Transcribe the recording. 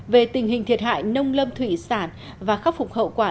về tình hình thiệt hại nông lâm thủy sản và khắc phục hậu quả